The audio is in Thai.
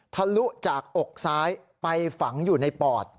ทะลุจากอกซ้ายไปฝังอยู่ในปอด